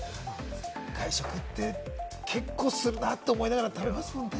外食って結構するなって思いながら食べますもんね。